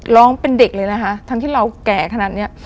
ร้องเป็นเด็กเลยนะคะทั้งที่เราแก่ขนาดเนี้ย